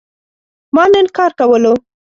ما نن کار کولو